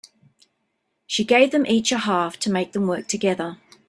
She gave them each a half to make them work together.